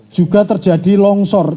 juga terjadi longsor